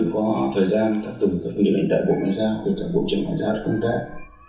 tôi cũng có thời gian thắp tùm cực trong những hành động của ngành ngoại giao của cả bộ trưởng ngoại giao công tác